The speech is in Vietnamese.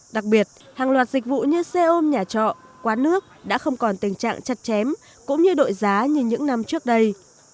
đặc biệt hàng loạt dịch vụ như xe ôm nhà trọ quán nước đã không còn tình trạng chặt chém cũng như đội giá như những năm trước đây